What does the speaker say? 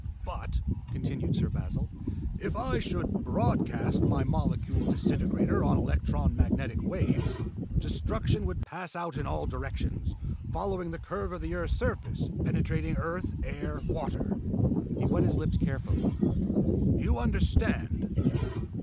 "But," continued Sir Basil, "if I should broadcast my molecule disintegrator on electron magnetic waves, destruction would pass out in all directions, following the curve of the earth's surface, penetrating earth, air, water." He wet his lips carefully. "You understand?"